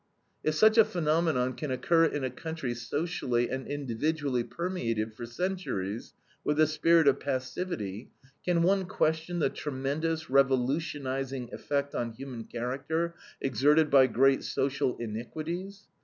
If such a phenomenon can occur in a country socially and individually permeated for centuries with the spirit of passivity, can one question the tremendous, revolutionizing effect on human character exerted by great social iniquities?